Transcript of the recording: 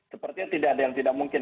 sepertinya tidak ada yang tidak mungkin